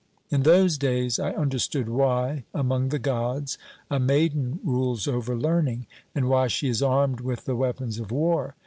"In those days I understood why, among the gods, a maiden rules over learning, and why she is armed with the weapons of war.